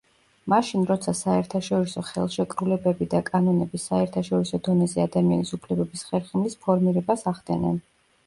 მაშინ როცა საერთაშორისო ხელშეკრულებები და კანონები საერთაშორისო დონეზე ადამიანის უფლებების ხერხემლის ფორმირებას ახდენენ.